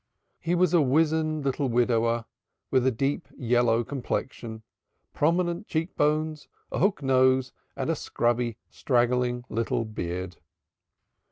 He was a weazened little widower with a deep yellow complexion, prominent cheek bones, a hook nose and a scrubby, straggling little beard.